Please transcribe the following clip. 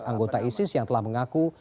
anggota isis yang telah mengaku